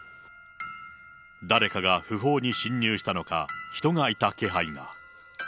誰かが不法に侵入したのか、人がいた気配が。